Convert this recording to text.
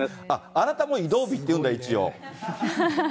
あなたも移動日っていうんだ、一応。